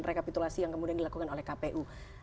rekapitulasi yang kemudian dilakukan oleh kpu